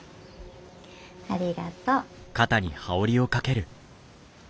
ありがとう。